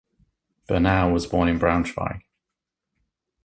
Bernau was born in Braunschweig.